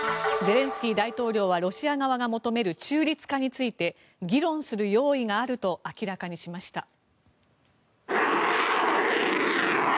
ゼレンスキー大統領はロシア側が求める中立化について議論する用意があると明らかにしました。